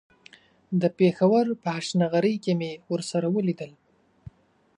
د پېښور په هشنغرۍ کې مې ورسره وليدل.